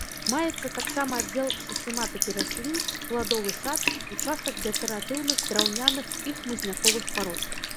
Маецца таксама аддзел сістэматыкі раслін, пладовы сад, участак дэкаратыўных драўняных і хмызняковых парод.